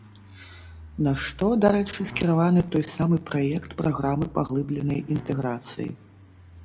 На што, дарэчы, скіраваны той самы праект праграмы паглыбленай інтэграцыі.